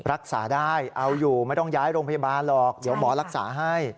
รักษาได้เอาอยู่ไม่ต้องย้ายโรงพยาบาลหรอกเดี๋ยวหมอรักษาให้